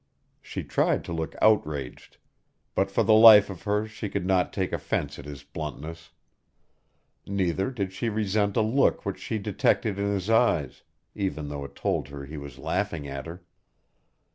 She tried to look outraged, but for the life of her she could not take offense at his bluntness; neither did she resent a look which she detected in his eyes, even though it told her he was laughing at her.